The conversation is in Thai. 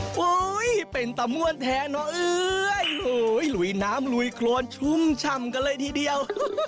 เฮ้ยเป็นตะม่วนแท้เนาะเอ้ยลุยน้ำลุยโครนชุ่มฉ่ำกันเลยทีเดียว